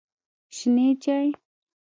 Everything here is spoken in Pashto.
شنې چای